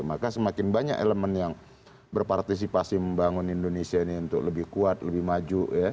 maka semakin banyak elemen yang berpartisipasi membangun indonesia ini untuk lebih kuat lebih maju